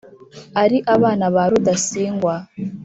ari abana ba rudasingwa